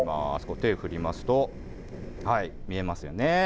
手を振りますと、見えますよね。